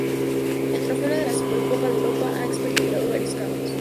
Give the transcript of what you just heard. El trofeo de la Supercopa de Europa ha experimentado varios cambios.